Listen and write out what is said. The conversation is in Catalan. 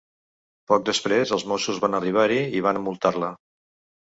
Poc després, els mossos van arribar-hi i van envoltar-la.